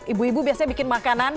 ibu ibu biasanya bikin makanan